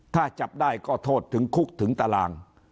ถ้าจับได้ก็โทษถึงคุกถึงตาราง